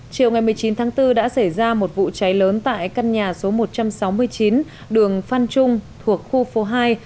chiều ngày một mươi chín tháng bốn đã xảy ra một vụ cháy lớn tại căn nhà số một trăm sáu mươi chín đường phan trung thuộc khu phố hai